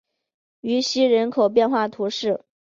于西人口变化图示